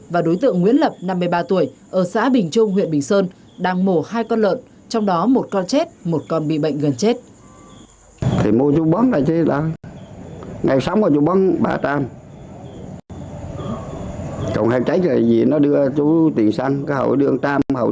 và đối tượng nguyễn lập năm mươi ba tuổi ở xã bình trung huyện bình sơn đang mổ hai con lợn trong đó một con chết một con bị bệnh gần chết